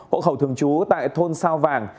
hộ khẩu thường trú tại thôn sao vàng